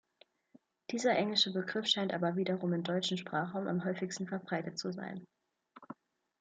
Dieser englische Begriff scheint aber wiederum im deutschen Sprachraum am häufigsten verbreitet zu sein.